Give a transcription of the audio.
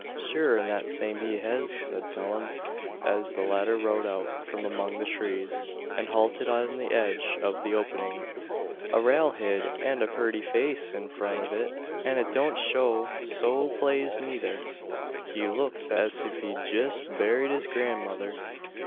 "Shure an that same he hez," said Phelim, as the latter rode out from among the trees, and halted on the edge of the opening; "a raal hid, an a purty face in front av it. An' yit it don't show so plazed nayther. He luks as if he'd jist buried his grandmother.